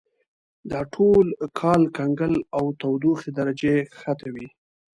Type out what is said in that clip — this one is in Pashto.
دا ټول کال کنګل او تودوخې درجه یې کښته وي.